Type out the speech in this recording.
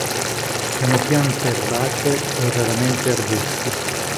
Sono piante erbacee o raramente arbusti.